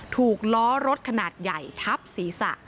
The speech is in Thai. ถูกล้อรถขนาดใหญ่ทับศีรษะ